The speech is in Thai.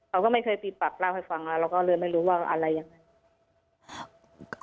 เราก็ไม่เคยตีปากเล่าให้ฟังแล้วเราก็เลยไม่รู้ว่าอะไรยังไง